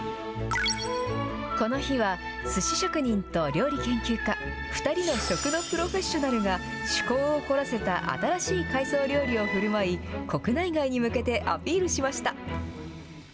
この日は、すし職人と料理研究家、２人の食のプロフェッショナルが、趣向を凝らせた新しい海藻料理をふるまい、国内外に向けてアピールしました。